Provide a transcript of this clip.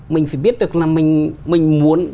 mình phải biết được là mình muốn